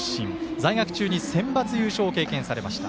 在学中にセンバツ優勝を経験されました。